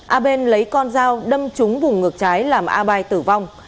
a bên lấy con dao đâm trúng vùng ngược trái làm a bai tử vong